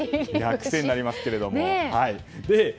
癖になりますけれども。